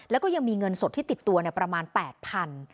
แล้วก็ยังมีเงินสดที่ติดตัวประมาณ๘๐๐บาท